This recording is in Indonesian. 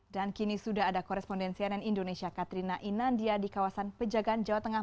dan kini sudah ada korespondensian indonesia katrina inandia di kawasan pejagaan jawa tengah